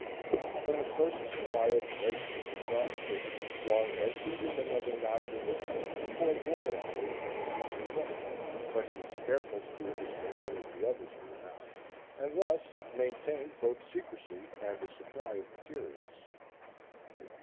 When the first supply of flakes was exhausted, Longhead heated another nodule of flint and poured water on it from a piece of bark, but he was careful to do this when none of the others were about; and thus maintained both secrecy and a supply of materials.